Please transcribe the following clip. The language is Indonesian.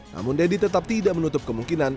namun deddy tetap tidak menutup kemungkinan